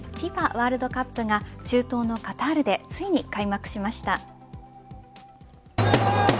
ワールドカップが中東のカタールでついに開幕しました。